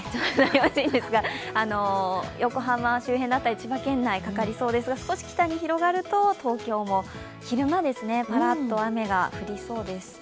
横浜周辺だったり千葉県にかかりそうですが少し北に広がると東京も昼間、パラッと雨が降りそうです。